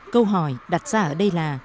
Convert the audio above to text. câu hỏi đặt ra ở đây là